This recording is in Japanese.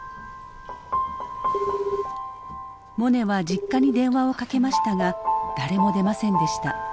モネは実家に電話をかけましたが誰も出ませんでした。